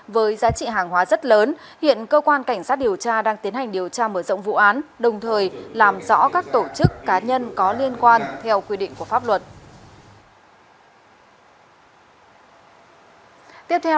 với giá trị hàng hóa rất lớn hiện cơ quan cảnh sát điều tra đang tiến hành điều tra mở rộng vụ án đồng thời làm rõ các tổ chức cá nhân có liên quan theo quy định của pháp luật